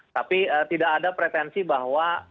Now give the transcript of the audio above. tapi tidak ada pretensi bahwa